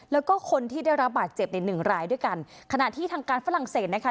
แล้วก็คนที่ได้รับบาดเจ็บในหนึ่งรายด้วยกันขณะที่ทางการฝรั่งเศสนะคะ